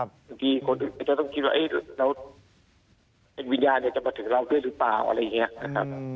บางทีคนอื่นจะต้องคิดว่าแล้ววิญญาณจะมาถึงเราด้วยหรือเปล่า